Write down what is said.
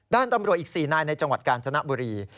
ด้านตำรวจอีก๔นายในจังหวัดกาญจนบุรี